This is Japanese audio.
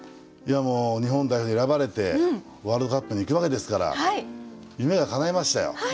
いやもう日本代表に選ばれてワールドカップに行くわけですから夢がかないましたよ。